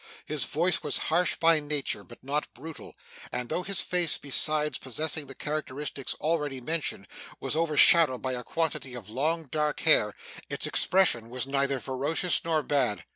His voice was harsh by nature, but not brutal; and though his face, besides possessing the characteristics already mentioned, was overshadowed by a quantity of long dark hair, its expression was neither ferocious nor bad.